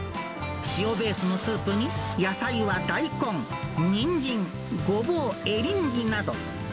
塩ベースのスープに、野菜は大根、ニンジン、ゴボウ、エリンギなど。